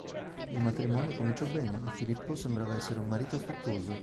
Il matrimonio cominciò bene e Filippo sembrava essere un marito affettuoso.